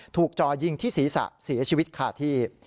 จ่อยิงที่ศีรษะเสียชีวิตคาที่